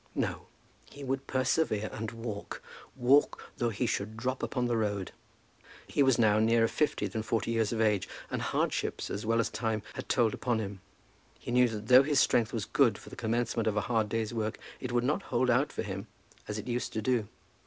No; he would persevere and walk, walk, though he should drop upon the road. He was now nearer fifty than forty years of age, and hardships as well as time had told upon him. He knew that though his strength was good for the commencement of a hard day's work, it would not hold out for him as it used to do.